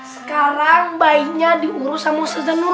sekarang bayinya diurus sama